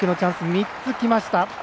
３つきました。